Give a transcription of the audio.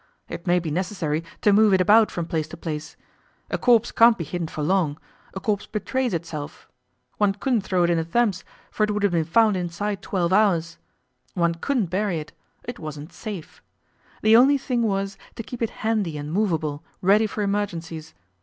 It may be necessary to move it about from place to place. A corpse can't be hidden for long; a corpse betrays itself. One couldn't throw it in the Thames, for it would have been found inside twelve hours. One couldn't bury it it wasn't safe. The only thing was to keep it handy and movable, ready for emergencies.